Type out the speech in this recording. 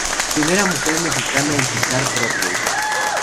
Primera mujer mexicana en pisar Broadway.